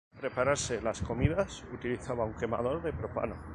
Para prepararse las comidas, utilizaba un quemador de propano.